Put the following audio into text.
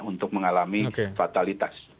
untuk mengalami fatalitas